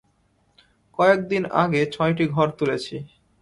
কয়েক দিন আগে ছয়টি ঘর তুলেছি।